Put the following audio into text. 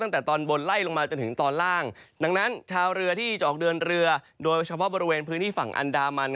ตอนบนไล่ลงมาจนถึงตอนล่างดังนั้นชาวเรือที่จะออกเดินเรือโดยเฉพาะบริเวณพื้นที่ฝั่งอันดามัน